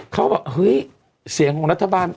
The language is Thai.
เขาบอกเฮ้ยเสียงของรัฐบาล